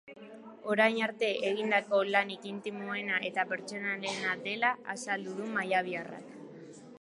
Orain arte egindako lanik intimoena eta pertsonalena dela azaldu du mallabiarrak.